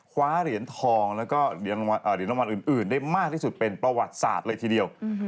คว้าเหรียญทองแล้วก็เหรียญรางวัลอื่นได้มากที่สุดเป็นประวัติศาสตร์เลยทีเดียว